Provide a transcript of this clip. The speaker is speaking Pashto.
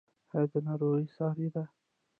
ایا دا ناروغي ساری ده؟